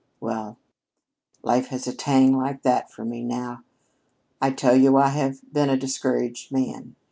Well, life has a tang like that for me now. I tell you, I have been a discouraged man.